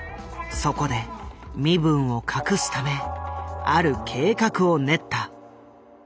そこで身分を隠すためある計画を練った。